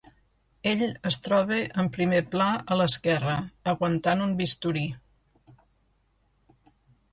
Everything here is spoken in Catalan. Ell es troba en primer pla a l'esquerra, aguantant un bisturí.